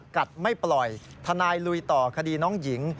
ไม่ปล่อยทนายลุยต่อคดีน้องหญิง